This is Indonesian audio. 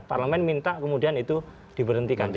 parlemen minta kemudian itu diberhentikan